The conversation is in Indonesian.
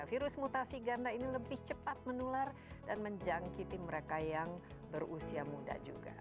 virus mutasi ganda ini lebih cepat menular dan menjangkiti mereka yang berusia muda juga